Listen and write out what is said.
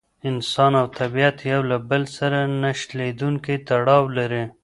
انسان او طبیعت یو له بل سره نه شلېدونکی تړاو لري.